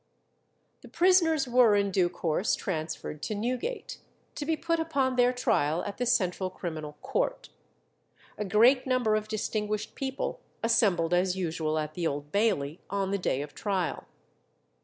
The prisoners were in due course transferred to Newgate, to be put upon their trial at the Central Criminal Court. A great number of distinguished people assembled as usual at the Old Bailey on the day of trial.